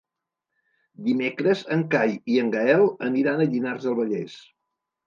Dimecres en Cai i en Gaël aniran a Llinars del Vallès.